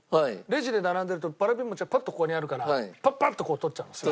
レジで並んでるとわらび餅がパッとここにあるからパッパッと取っちゃうんです。